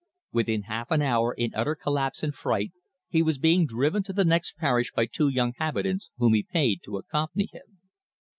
Within half an hour, in utter collapse and fright, he was being driven to the next parish by two young habitants whom he paid to accompany him.